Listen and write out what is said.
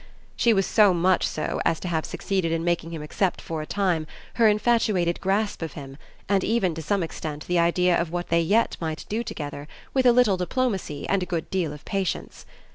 She was so much so as to have succeeded in making him accept for a time her infatuated grasp of him and even to some extent the idea of what they yet might do together with a little diplomacy and a good deal of patience.